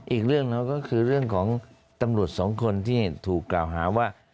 อีกเรื่องหนึ่งก็คือเรื่องของตำรวจสองคนที่ถูกกล่าวหาว่า